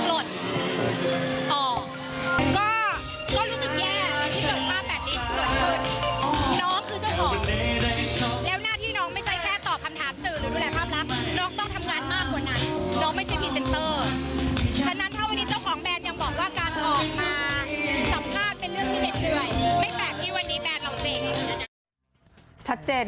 ก็รู้สึกแย่ที่ส่วนภาพแบบนี้เกิดขึ้น